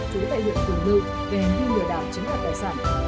chú dạy hiệu tù nữ về hành vi nửa đảo chính là tài sản